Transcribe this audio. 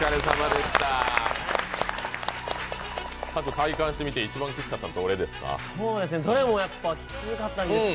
体験してみて一番きつかったのはどれですか？